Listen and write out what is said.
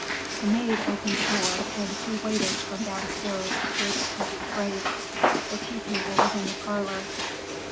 The maid opened the door and two waiters from downstairs appeared with covered trays. The tea table was in the parlor.